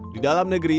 di dalam negeri